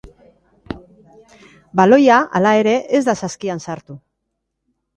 Baloia, hala ere, ez da saskian sartu.